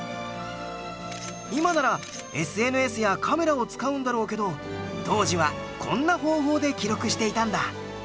今ならＳＮＳやカメラを使うんだろうけど当時はこんな方法で記録していたんだ。